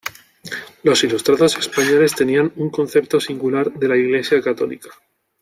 Los ilustrados españoles tenían un concepto singular de la Iglesia católica.